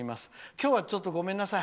今日はちょっと、ごめんなさい。